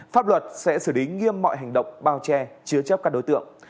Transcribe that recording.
pháp luật sẽ xử lý nghiêm mọi hành động bao che chứa chấp các đối tượng